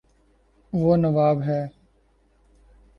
وہ نواب ہے